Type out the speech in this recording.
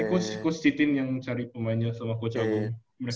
iya coach cittin yang cari pemainnya sama coach agung